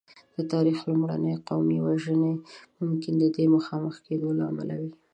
د تاریخ لومړنۍ قومي وژنې ممکن د دې مخامخ کېدو له امله وې.